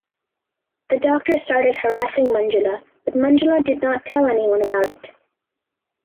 The doctor started harassing Manjula but Manjula did not tell anyone about it.